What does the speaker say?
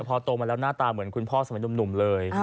พอโตมาแล้วหน้าตาเหมือนคุณพ่อสมัยหนุ่มเลย